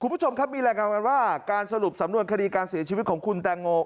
คุณผู้ชมครับมีรายงานกันว่าการสรุปสำนวนคดีการเสียชีวิตของคุณแตงโม